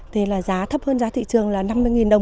thì là giá thấp hơn giá thị trường là năm mươi đồng